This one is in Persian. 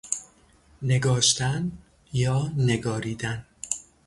نگاشتن یا نگاریدن